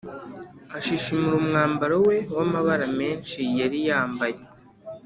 ashishimura umwambaro we w’amabara menshi yari yambaye